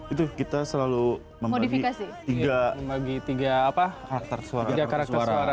itu kita selalu membagi tiga karakter suara